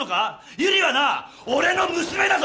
悠里はな俺の娘だぞ！